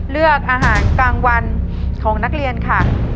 เลือกอาหารกลางวันของนักเรียนค่ะ